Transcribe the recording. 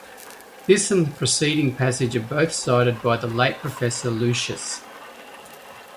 This and the preceding passage are both cited by the late Professor Lucius.